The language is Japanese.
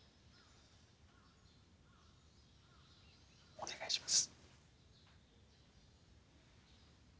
お願いします。